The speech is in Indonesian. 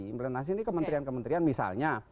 implementasi ini kementerian kementerian misalnya